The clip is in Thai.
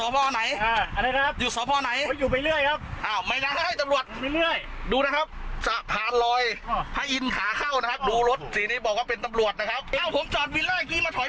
วิ่งวิ่งอยู่นี่อ้าวผมเข้ามาจอดเนี่ยมันไม่มีวิน